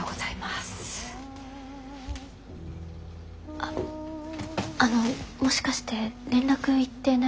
あっあのもしかして連絡いってないですか？